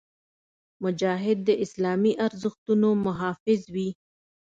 مجاهد د اسلامي ارزښتونو محافظ وي.